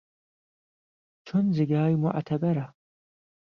چونجێگای موعتهبەره